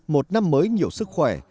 một năm mới nhiều sức khỏe